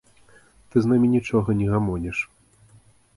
Ты з намі нічога не гамоніш.